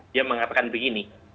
dia mengatakan begini